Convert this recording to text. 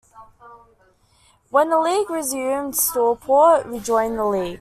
When the league resumed Stourport rejoined the league.